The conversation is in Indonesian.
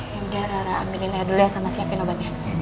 yaudah rara ambilin aja dulu ya sama siapin obatnya